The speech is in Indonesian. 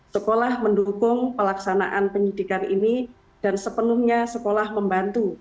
sekolah mendukung pelaksanaan penyidikan ini dan sepenuhnya sekolah membantu